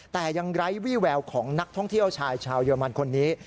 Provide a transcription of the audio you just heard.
แต่ยังไร้วี่แววของนักท่องเที่ยวชายชาวเยอรมันคนนี้